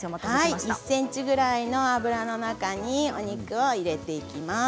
１ｃｍくらいの油の中にお肉を入れていきます。